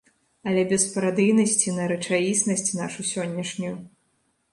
Але без парадыйнасці на рэчаіснасць нашу сённяшнюю.